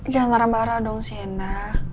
jangan marah marah dong sena